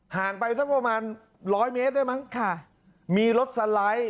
ห่างไปสักประมาณร้อยเมตรได้มั้งค่ะมีรถสไลด์